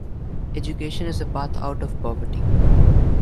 Education is a path out of poverty.